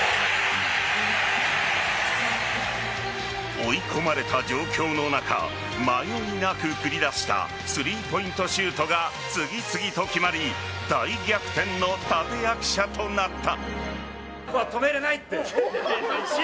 追い込まれた状況の中迷いなく繰り出したスリーポイントシュートが次々と決まり大逆転の立役者となった。